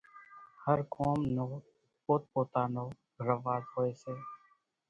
هر قوم نو پوت پوتا نو رواز هوئيَ سي۔